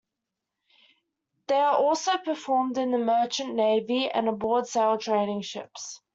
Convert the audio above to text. They are also performed in the merchant navy and aboard sail training ships.